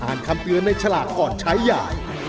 คำเตือนในฉลากก่อนใช้ใหญ่